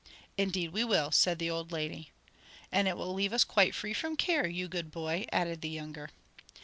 "Indeed we will," said the old lady. "And it will leave us quite free from care, you good boy," added the younger.